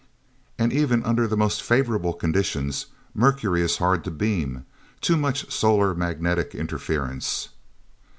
And even under the most favorable conditions, Mercury is hard to beam too much solar magnetic interference."